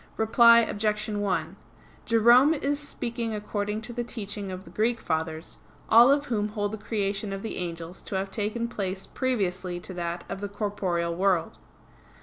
Reply Obj. 1: Jerome is speaking according to the teaching of the Greek Fathers; all of whom hold the creation of the angels to have taken place previously to that of the corporeal world.